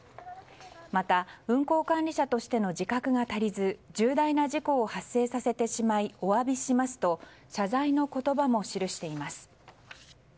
また、運航管理者としての自覚が足りず重大な事故を発生させてしまいお詫びしますと謝罪の言葉も記しています。